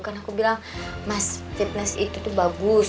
karena aku bilang mas fitness itu tuh bagus